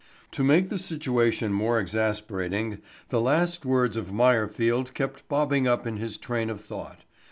To make the situation more exasperating the last words of Meyerfield kept bobbing up in his train of thought.